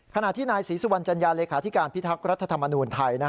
ขณะที่นายศรีสุวรรณจัญญาเลขาธิการพิทักษ์รัฐธรรมนูญไทย